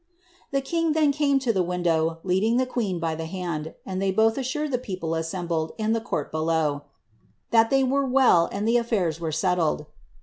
The king then came to a window, leading the queen by the hand, and they both assured the people assembled in the court below, ^ that they were well, and the aflairs were settled."